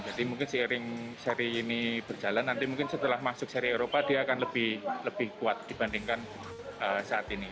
jadi mungkin seiring seri ini berjalan nanti mungkin setelah masuk seri eropa dia akan lebih kuat dibandingkan saat ini